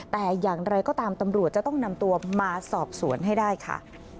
แต่อย่างไรก็ตามตำรวจจะต้องนำตัวมาสอบสวนให้ได้ค่ะ